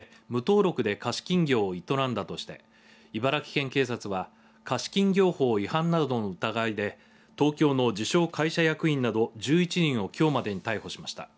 中古商品の売買契約を装って法定金利を大幅に上回る利息で無登録で貸金業を営んだとして茨城県警察は貸金業法違反などの疑いで東京の自称会社役員など１１人をきょうまでに逮捕しました。